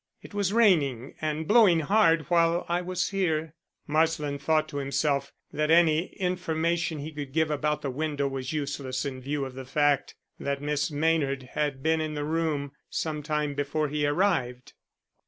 It was raining and blowing hard while I was here." Marsland thought to himself that any information he could give about the window was useless in view of the fact that Miss Maynard had been in the room some time before he arrived.